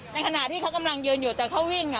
ขณะที่เขากำลังยืนอยู่แต่เขาวิ่ง